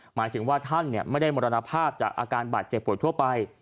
หมายถึงว่าท่านไม่ได้มรณภาพจากอาการบาดเจ็บปวดทั่วไป